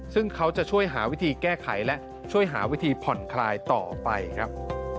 ซึ่งเขาจะช่วยหาวิธีแก้ไขและช่วยหาวิธีผ่อนคลายต่อไปครับ